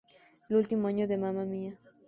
El último año de "Mamma Mia!